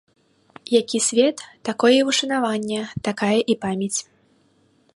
Які свет, такое і ўшанаванне, такая і памяць.